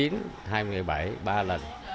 năm hai nghìn chín năm hai nghìn một mươi bảy ba lần